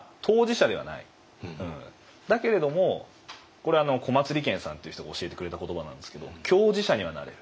だけれどもこれ小松理虔さんって人が教えてくれた言葉なんですけど「共事者」にはなれる。